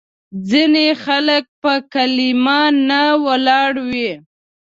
ځینې خلک په کلیمه نه ولاړ وي.